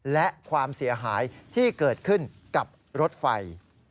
และความเสียหายที่เกิดขึ้นกับรถไฟ